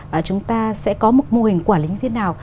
và chúng ta sẽ có một mô hình quản lý như thế nào